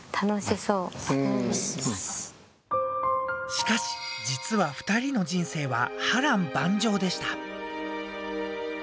しかし実は２人の人生は波乱万丈でした。